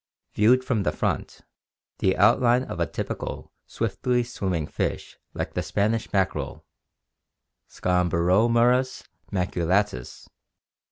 Viewed from the front, the outline of a typical swiftly swimming fish like the Spanish mackerel (Scomberomorus maculatus, Fig.